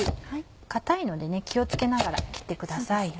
硬いので気を付けながら切ってください。